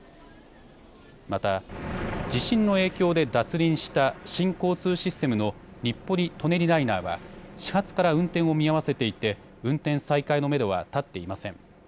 また、地震の影響で脱輪した新交通システムの日暮里・舎人ライナーは始発から運転を見合わせていて運転再開のめどは立っていません。